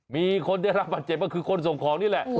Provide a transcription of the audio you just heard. มีคนได้รับบาดเจ็บก็คือคนส่งของนี่แหละ